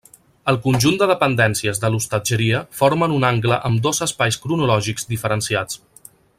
El conjunt de dependències de l'hostatgeria formen un angle amb dos espais cronològics diferenciats.